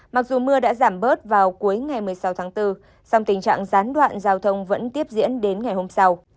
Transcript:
mặc dù mưa đã giảm bớt vào cuối ngày một mươi sáu tháng bốn song tình trạng gián đoạn giao thông vẫn tiếp diễn đến ngày hôm sau